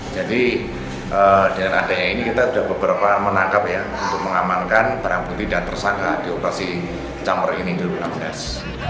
jadi dengan adanya ini kita sudah beberapa menangkap ya untuk mengamankan para budi dan tersangka di operasi campur ini di lula kedas